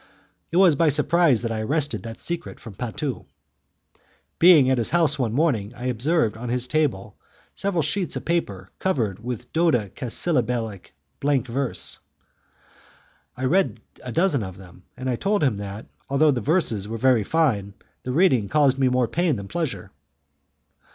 It was by surprise that I wrested that secret from Patu. Being at his house one morning, I observed on his table several sheets of paper covered with dode casyllabic blank verse. I read a dozen of them, and I told him that, although the verses were very fine, the reading caused me more pain than pleasure.